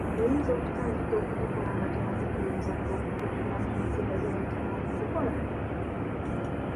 Oyinza okutandika okugikola nga tomaze kwebuuza ku bakugu okumanya emitendera gye bayitamu okugikola?